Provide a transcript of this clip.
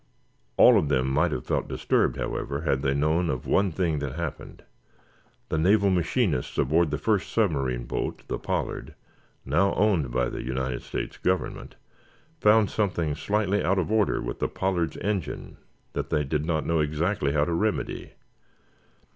All of them might have felt disturbed, however, had they known of one thing that happened. The naval machinists aboard the first submarine boat, the "Pollard," now owned by the United States Government, found something slightly out of order with the "Pollard's" engine that they did not know exactly how to remedy.